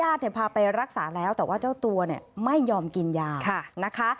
พาไปรักษาแล้วแต่ว่าเจ้าตัวเนี่ยไม่ยอมกินยานะคะ